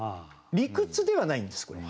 理屈ではないんですこれ。